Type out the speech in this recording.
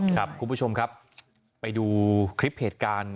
คุณผู้ชมครับไปดูคลิปเหตุการณ์